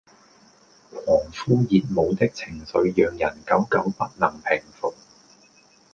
狂呼熱舞的情緒讓人久久不能平伏